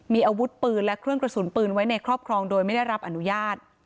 มีอาวุธปืนและเครื่องกระสุนปืนไว้ในครอบครองโดยไม่ได้รับอนุญาต